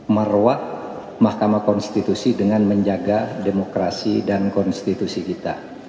meruah mahkamah konstitusi dengan menjaga demokrasi dan konstitusi kita